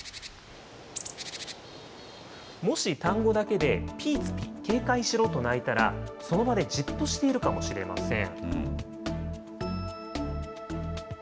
もし単語だけでピーツピ、警戒しろと鳴いたら、その場でじっとしているかもしれません。